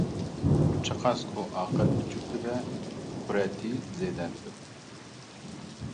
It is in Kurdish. Çi qas ku aqil biçûk dibe, quretî zêde dibe.